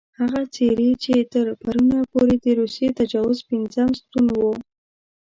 هغه څېرې چې تر پرونه پورې د روسي تجاوز پېنځم ستون وو.